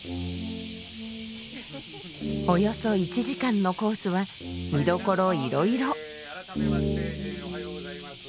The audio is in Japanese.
およそ１時間のコースは見どころいろいろ。